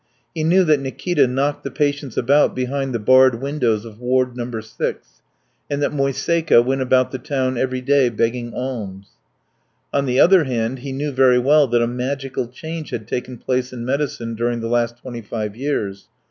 He knew that Nikita knocked the patients about behind the barred windows of Ward No. 6, and that Moiseika went about the town every day begging alms. On the other hand, he knew very well that a magical change had taken place in medicine during the last twenty five years.